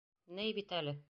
Ней бит әле.